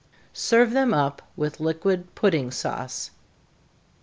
Serve them up with liquid pudding sauce.